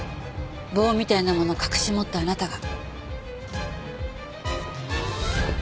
棒みたいなものを隠し持ったあなたが。